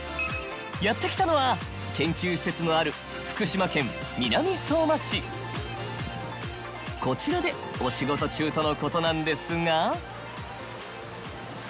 やって来たのは研究施設のあるこちらでお仕事中とのことなんですが。